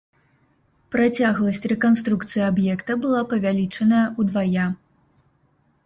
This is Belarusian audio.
Працягласць рэканструкцыі аб'екта была павялічаная ўдвая.